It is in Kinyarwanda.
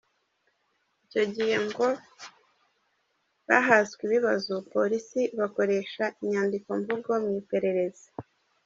Icyo gihe ngo bahaswe ibibazo, polisi ibakoresha inyandikomvugo mu iperereza.